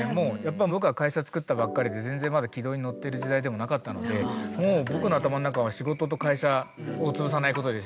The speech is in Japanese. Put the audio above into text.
僕は会社作ったばっかりで全然まだ軌道に乗ってる時代でもなかったのでもう僕の頭の中は仕事と会社をつぶさないことで精いっぱい。